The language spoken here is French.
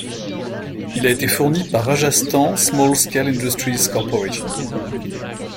Il a été fourni par Rajasthan Small Scale Industries Co.